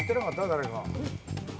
誰か。